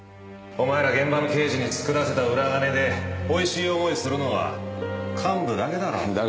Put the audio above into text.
お前ら現場の刑事に作らせた裏金でおいしい思いするのは幹部だけだろう。